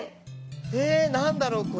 え何だろうこれ。